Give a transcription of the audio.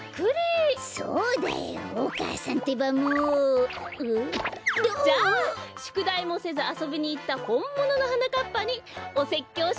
そうだよお母さんってばもう！ん？じゃあしゅくだいもせずあそびにいったほんもののはなかっぱにおせっきょうしなきゃねえ！